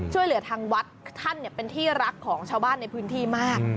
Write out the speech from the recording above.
ช่วยเหลือทางวัดท่านเป็นที่รักของชาวบ้านในพื้นที่มาก